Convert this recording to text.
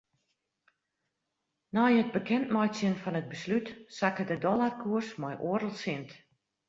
Nei it bekendmeitsjen fan it beslút sakke de dollarkoers mei oardel sint.